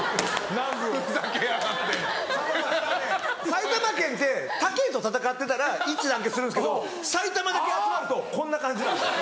埼玉県って他県と戦ってたら一致団結するんですけど埼玉だけ集まるとこんな感じなんです。